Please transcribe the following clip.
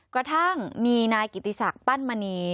กระทั่งมีนายกิติศักดิ์ปั้นมณี